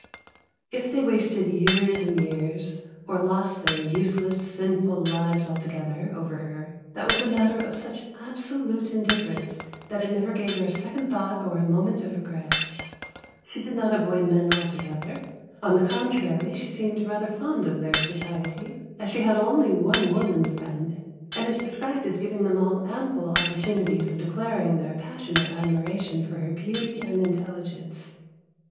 If they wasted years and years, or lost their useless, sinful lives altogether, over her, that was a matter of such absolute indifference that it never gave her a second thought or a moment of regret. She did not avoid men altogether; on the contrary, she seemed rather fond of their society, as she had only one woman friend, and is described as giving them all ample opportunities of declaring their passionate admiration for her beauty and intelligence.